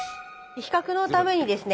比較のためにですね